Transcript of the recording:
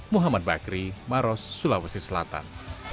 muhammad bakri maros sulawesi selatan